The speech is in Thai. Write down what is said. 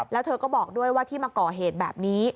แล้วเธอก็บอกด้วยว่าที่มาก่อเหตุแบบนี้